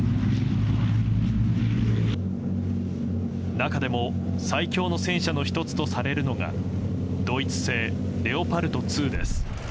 中でも最強の戦車の１つとされるのがドイツ製レオパルト２です。